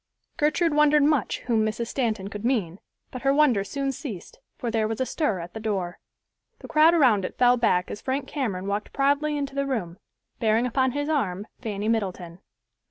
Gertrude wondered much whom Mrs. Stanton could mean, but her wonder soon ceased, for there was a stir at the door. The crowd around it fell back as Frank Cameron walked proudly into the room, bearing upon his arm Fanny Middleton.